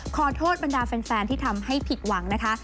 ขอโทษบรรดาแฟนที่ทำให้ผิดหวังนะคะ